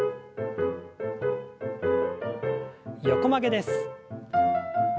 横曲げです。